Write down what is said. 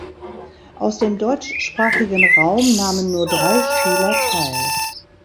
Aus dem deutschsprachigen Raum nahmen nur drei Spieler teil.